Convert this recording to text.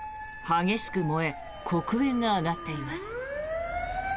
激しく燃え黒煙が上がっています。